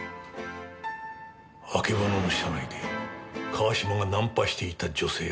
あけぼのの車内で川島がナンパしていた女性は誰なのか。